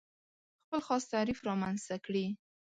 خپل خاص تعریف رامنځته کړي.